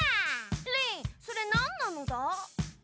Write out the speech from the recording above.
リンそれなんなのだ？